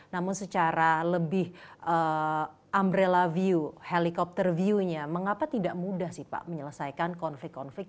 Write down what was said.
namun secara lebih umbrela view helikopter view nya mengapa tidak mudah sih pak menyelesaikan konflik konflik